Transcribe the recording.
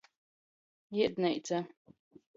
Iedineica.